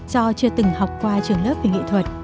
do chưa từng học qua trường lớp về nghệ thuật